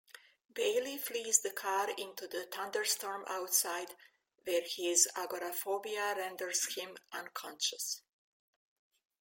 Baley flees the car into the thunderstorm outside, where his agoraphobia renders him unconscious.